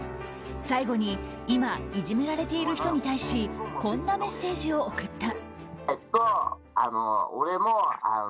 最後に今、いじめられている人に対しこんなメッセージを送った。